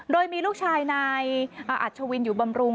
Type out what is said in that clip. โดยมีลูกชายนายอัชวินอยู่บำรุง